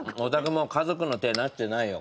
もう家族の体なしてないよ